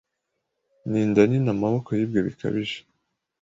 Ninda nini amaboko yibwe bikabije